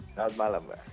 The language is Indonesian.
selamat malam mbak